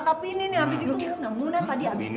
tapi ini nih abis itu bener bener tadi abis rina